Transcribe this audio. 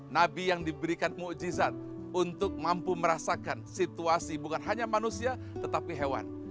nabi yang diberikan ⁇ mujizat untuk mampu merasakan situasi bukan hanya manusia tetapi hewan